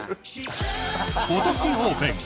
今年オープン。